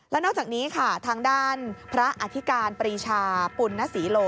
แล้วนอกจากนี้ค่ะทางด้านพระอธิการปรีชาปุณนศรีโล